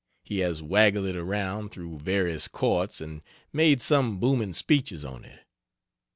He has waggled it around through various courts and made some booming speeches on it.